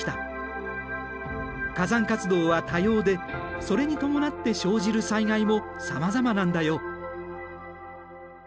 火山活動は多様でそれに伴って生じる災害もさまざまなんだよ。